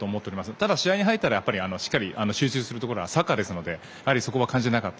ただ、試合に入ったらしっかり集中するところはサッカーですので、やはりそこは肝心ではなかった。